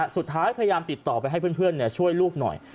สุดท้ายพยายามติดต่อไปให้เพื่อนช่วยลูกหน่อย